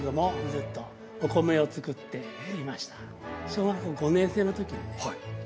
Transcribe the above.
小学校５年生の時にね